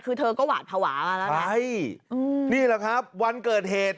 คือเธอก็หวาดภาวะมาแล้วนะใช่อืมนี่แหละครับวันเกิดเหตุ